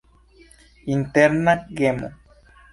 Interna gemo.